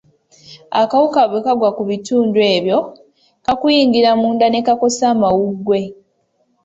Akawuka bwe kagwa ku bitundu ebyo, kakuyingira munda ne kakosa amawuggwe.